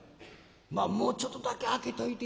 「まあもうちょっとだけ開けといて」。